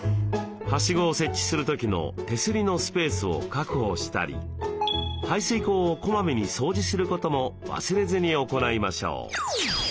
はしごを設置する時の手すりのスペースを確保したり排水溝をこまめに掃除することも忘れずに行いましょう。